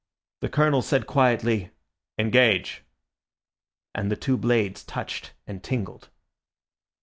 The Colonel said quietly, "Engage!" and the two blades touched and tingled.